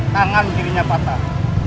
tangan dirinya patah